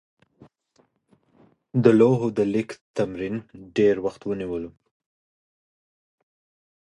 د لوحو د لیک تمرین ډېر وخت ونیوه.